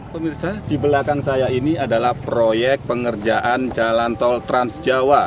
pemirsa di belakang saya ini adalah proyek pengerjaan jalan tol transjawa